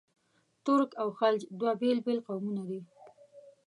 ترک او خلج دوه بېل بېل قومونه دي.